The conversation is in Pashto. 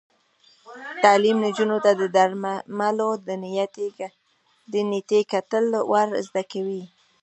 تعلیم نجونو ته د درملو د نیټې کتل ور زده کوي.